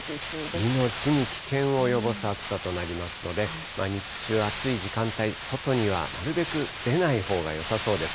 命に危険を及ぼす暑さとなりますので、日中、暑い時間帯、外にはなるべく出ないほうがよさそうです。